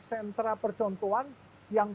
sentra percontohan yang